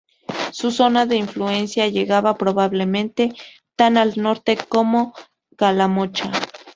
Su zona de influencia llegaba probablemente tan al norte como Calamocha.